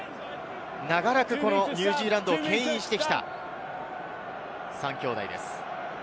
長らくニュージーランドをけん引してきた、３兄弟です。